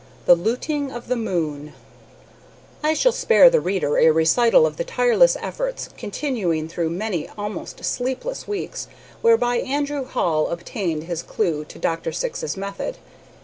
XIII THE LOOTING OF THE MOON I shall spare the reader a recital of the tireless efforts, continuing through many almost sleepless weeks, whereby Andrew Hall obtained his clew to Dr. Syx's method.